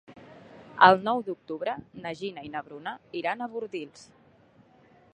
El nou d'octubre na Gina i na Bruna iran a Bordils.